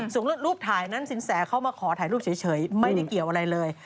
ส่วนรูปถ่ายนั้นสินแสเข้ามาขอถ่ายรูปเฉยไม่ได้เกี่ยวอะไรเลย